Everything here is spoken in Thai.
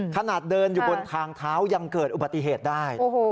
ขนาดเดินอยู่บนทางเท้ายังเกิดอุบัติเหตุได้